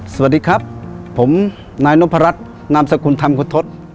สวัสดีครับผมนายนพรัชนามสกุลธรรมคุณทศ